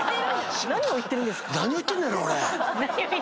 何を言ってるんですか？